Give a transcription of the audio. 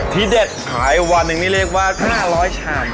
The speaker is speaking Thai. ที่เด็ดขายวันหนึ่งนี่เรียกว่า๕๐๐ชาม